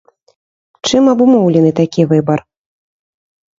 Чым абумоўлены такі выбар?